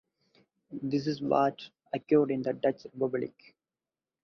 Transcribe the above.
This is what occurred in the Dutch Republic.